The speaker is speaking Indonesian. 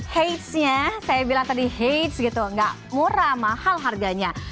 hatesnya saya bilang tadi hates gitu nggak murah mahal harganya